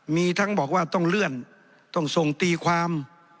มีทั้งบอกว่าต้องเลื่อนต้องส่งตีความ